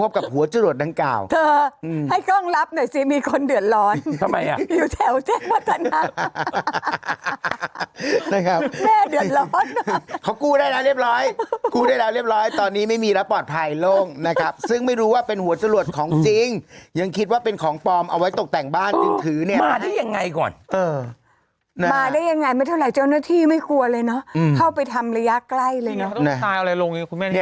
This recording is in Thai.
มาได้ยังไงไม่เท่าไรเจ้าหน้าที่ไม่กลัวเลยเนอะเข้าไปทำระยะใกล้เลยเนี่ย